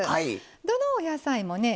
どのお野菜もね